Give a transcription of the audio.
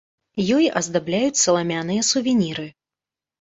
Ёй аздабляюць саламяныя сувеніры.